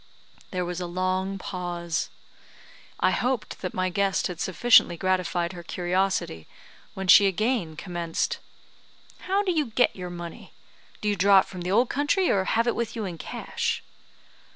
There was a long pause. I hoped that my guest had sufficiently gratified her curiosity, when she again commenced: "How do you get your money? Do you draw it from the old country, or have you it with you in cash?"